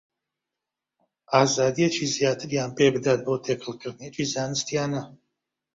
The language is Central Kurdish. ئازادییەکی زیاتریان پێ بدات بۆ تێکەڵکردنێکی زانستییانە